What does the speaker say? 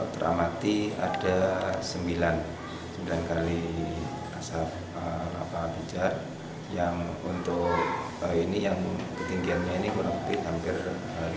teramati ada sembilan kali asap lava pijar yang untuk ini yang ketinggiannya ini menurut saya hampir lima juta